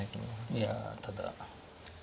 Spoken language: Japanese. いやただ。